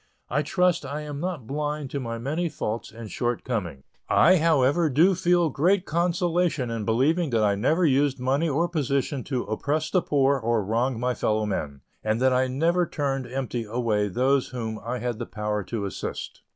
I trust I am not blind to my many faults and shortcomings. I, however, do feel great consolation in believing that I never used money or position to oppress the poor or wrong my fellow men, and that I never turned empty away those whom I had the power to assist.